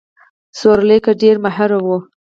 سورلۍ کې ډېر ماهر وو.